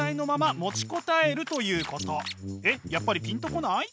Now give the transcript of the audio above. やっぱりピンと来ない？